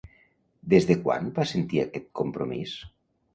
Des de quan va sentir aquest compromís?